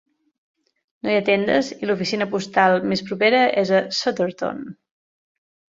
No hi ha tendes, i l"oficina postal més propera és a Sutterton.